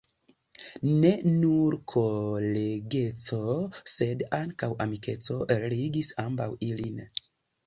Ne nur kolegeco, sed ankaŭ amikeco ligis ambaŭ ilin.